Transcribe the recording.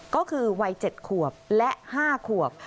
ก็คือวัย๗ขวบและ๕ขวบ